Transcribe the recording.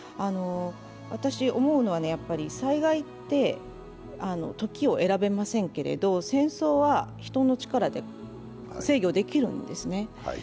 私思うのは、災害って時を選べませんけれど戦争は人の力で制御できるんですね。